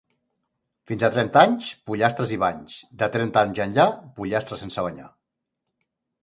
Fins a trenta anys, pollastres i banys: de trenta anys enllà, pollastres sense banyar.